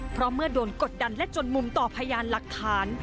เพราะเมื่อโดนกดดันและจนมุมต่อพยานหลักฐาน